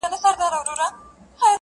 د تکراري حُسن چيرمني هر ساعت نوې یې